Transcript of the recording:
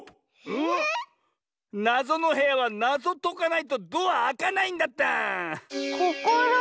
⁉なぞのへやはなぞとかないとドアあかないんだった！